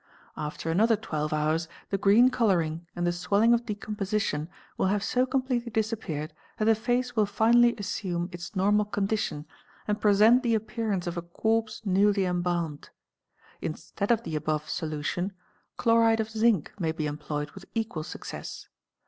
After another twelve hours the green colouring and the swelling of de composition will have so completely disappeared that the face will finally assume its normal condition and present the appearance of a corpse newly embalmed. Instead of the above solution, chloride of zine may be employed with equal success.